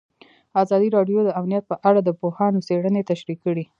ازادي راډیو د امنیت په اړه د پوهانو څېړنې تشریح کړې.